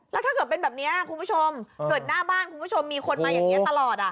แล้วถ้าเกิดเป็นแบบนี้คุณผู้ชมเกิดหน้าบ้านคุณผู้ชมมีคนมาอย่างนี้ตลอด